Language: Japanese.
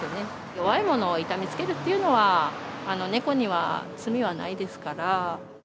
弱いものを痛めつけるっていうのは、猫には罪はないですから。